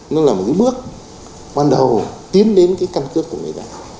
nó là một cái bước ban đầu tiến đến cái căn cước của người ta